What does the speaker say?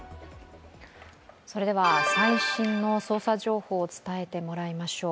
それでは、最新の捜査情報を伝えてもらいましょう。